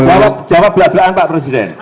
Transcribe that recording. kalau jawab bela belaan pak presiden